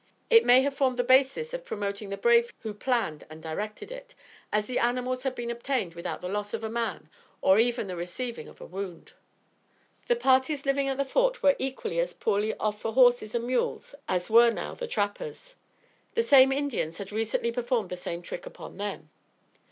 It may have formed the basis of promoting the brave who planned and directed it, as the animals had been obtained without the loss of a man or even the receiving of a wound. The parties living at the Fort were equally as poorly off for horses and mules as were now the trappers. The same Indians had recently performed the same trick upon them.